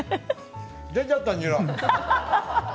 出ちゃった、にら。